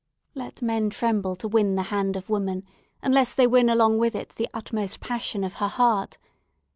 Let men tremble to win the hand of woman, unless they win along with it the utmost passion of her heart!